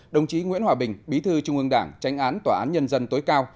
đồng chí nguyễn hòa bình bí thư trung ương đảng tránh án tòa án nhân dân tối cao